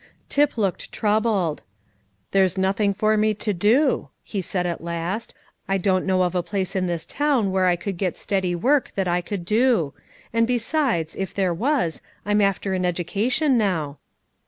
Tip looked troubled. "There's nothing for me to do," he said at last; "I don't know of a place in this town where I could get steady work that I could do; and besides, if there was, I'm after an education now."